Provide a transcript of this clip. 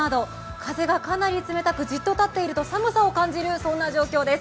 風がかなり冷たく、じっと立っていると寒さを感じる状況です。